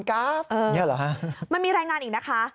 ไม่อ่าเหรอฮะมันมีรายงานอีกนะคะ